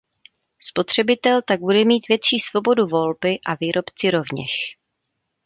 Spotřebitel tak bude mít větší svobodu volby a výrobci rovněž.